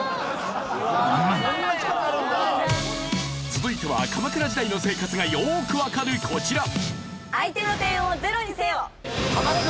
続いては鎌倉時代の生活がよくわかるこちら！